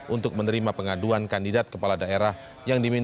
untuk memuluskan pencalonannya sebagai gubernur jawa timur